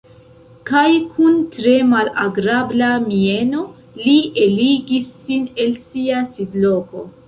Kaj kun tre malagrabla mieno li eligis sin el sia sidloko.